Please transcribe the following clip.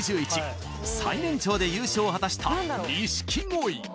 最年長で優勝を果たした錦鯉